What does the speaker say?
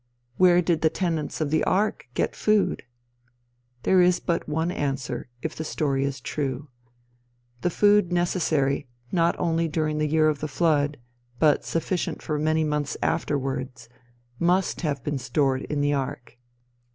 Where did the tenants of the ark get food? There is but one answer, if the story is true. The food necessary not only during the year of the flood, but sufficient for many months afterwards, must have been stored in the ark.